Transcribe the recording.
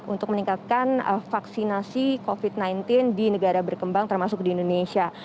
untuk meningkatkan vaksinasi covid sembilan belas di negara berkembang termasuk di indonesia